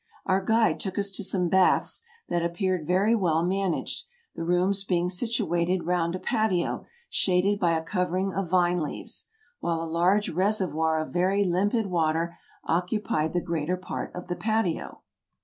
Our guide took us to some baths that ap peared very well managed, the rooms being situated round a patio shaded by a covering of vine leaves, while a large reservoir of very limpid water occupied the greater part of the patio.